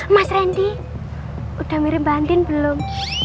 mas rendy udah mirip mbak andin belum